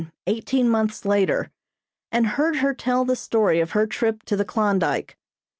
eighteen months later, and heard her tell the story of her trip to the Klondyke.